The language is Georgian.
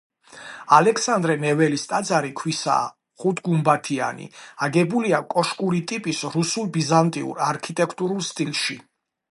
ალექსანდრე ნეველის ტაძარი ქვისაა, ხუთგუმბათიანი, აგებულია კოშკური ტიპის რუსულ-ბიზანტიურ არქიტექტურულ სტილში.